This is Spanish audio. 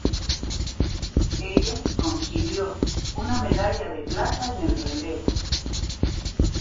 Ella consiguió una medalla de plata en el relevo.